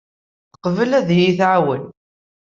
Teqbel ad iyi-tɛawen.